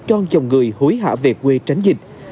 cho dòng người hối hạ về quê tránh dịch